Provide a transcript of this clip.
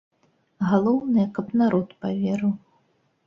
Галоўнае, каб народ паверыў.